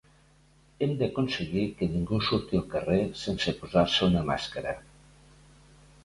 Hem d’aconseguir que ningú surti al carrer sense posar-se una màscara.